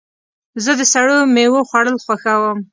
زه د سړو میوو خوړل خوښوم.